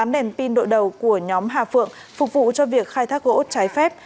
tám nền pin đội đầu của nhóm hà phượng phục vụ cho việc khai thác gỗ trái phép